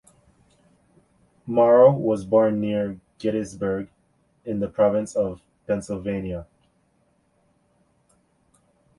Morrow was born near Gettysburg in the Province of Pennsylvania.